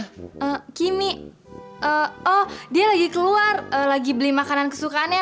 kimmy oh dia lagi keluar lagi beli makanan kesukaannya